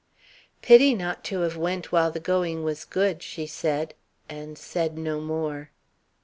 "Pity not to have went while the going was good," she said, and said no more.